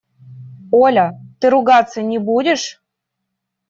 – Оля, ты ругаться не будешь?